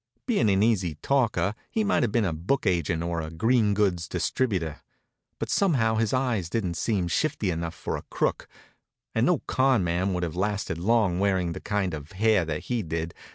Being an easy talker, he might have been a book agent or a green goods distributor. But somehow his eyes didn't seem shifty enough for a crook, and no con. man would have lasted long wearing the kind of hair that he did.